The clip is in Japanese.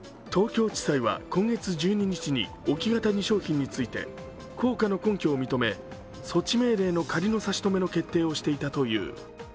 東京地裁は今月１２日に置き型２商品について効果の根拠を認め、措置命令の仮の差し止めの決定をしていたという。